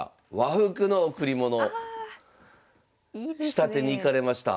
仕立てに行かれました。